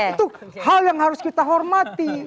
itu hal yang harus kita hormati